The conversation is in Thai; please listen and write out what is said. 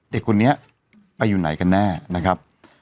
เด็กคนนี้ไปอยู่ไหนกันแน่นะครับ